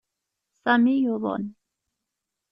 Sami yuḍen.